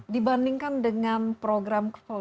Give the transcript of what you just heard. dibandingkan dengan program